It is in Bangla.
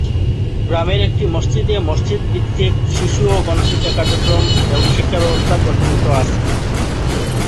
গ্রামের একটি মসজিদে মসজিদ ভিত্তিক শিশু ও গণশিক্ষা কার্যক্রম শিক্ষাব্যবস্থা প্রচলিত আছে।